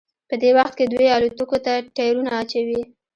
په دې وخت کې دوی الوتکو ته ټیرونه اچوي